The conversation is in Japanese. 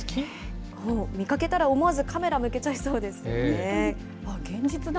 見かけたら思わずカメラ向けちゃいそうですよね。